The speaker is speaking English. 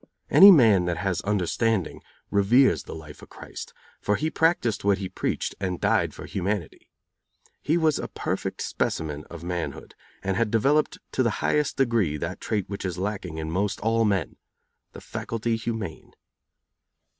Any man that has understanding reveres the life of Christ, for He practiced what He preached and died for humanity. He was a perfect specimen of manhood, and had developed to the highest degree that trait which is lacking in most all men the faculty humane.